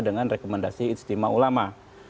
dengan rekomendasi istimewa ulama